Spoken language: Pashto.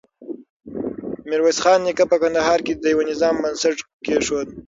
ميرويس خان نيکه په کندهار کې د يوه نظام بنسټ کېښود.